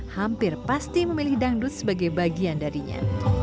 hampir pasti memilih dangdut sebagai bagian darinya